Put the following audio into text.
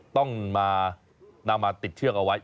ต้องมานำมาติดเชือกเอาไว้